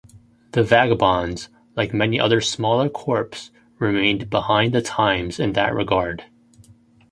The Vagabonds, like many other smaller corps remained behind the times in that regard.